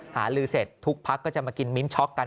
หาลือเสร็จทุกพักก็จะมากินมิ้นช็อกกัน